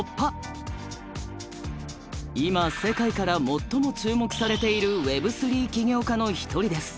今世界から最も注目されているＷｅｂ３起業家の一人です。